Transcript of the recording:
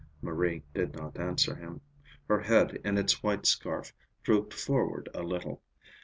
Marie did not answer him. Her head, in its white scarf, drooped forward a little.